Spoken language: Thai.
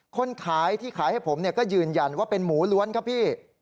คนขายที่ขายให้ผมก็ยืนยันว่าเป็นหมูล้วนครับพี่